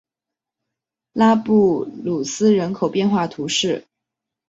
拉布鲁斯人口变化图示